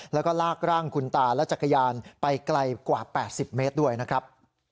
แล้วก็ลากร่างคุณตาและจักรยานไปไกลกว่า๘๐เมตรด้วยนะครับ